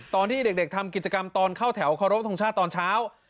ตอนที่เด็กทำกิจกรรมตอนเข้าแถวเคารพทงชาติตอนเช้า